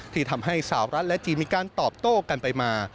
ที่ทำให้สาวรัฐและจีนมีการตอบโต้กันไปมา